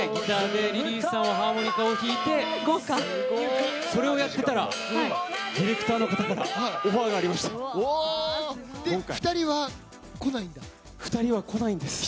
リリーさんもハーモニカを弾いてそれをやっているからディレクターの方から２人は来ないんだ。